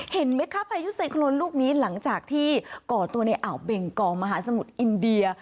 เห็นไหมคะพายุไซโครนลูกนี้หลังจากที่ก่อตัวในอ่าวเบงกอมหาสมุทรอินเดีย